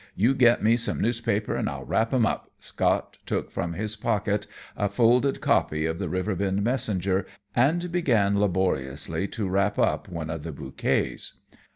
You get me some newspapers, and I'll wrap 'em up." Scott took from his pocket a folded copy of the Riverbend "Messenger" and began laboriously to wrap up one of the bouquets.